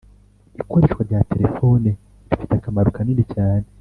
ikoreshwa rya telefone rifite akamaro kanini cyane.